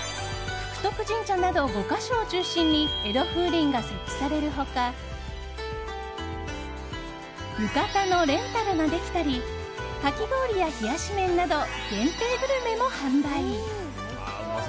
福徳神社など５か所を中心に江戸風鈴が設置される他浴衣のレンタルができたりかき氷や冷やし麺など限定グルメも販売。